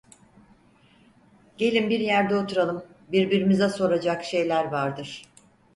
Gelin bir yerde oturalım; birbirimize soracak şeyler vardır…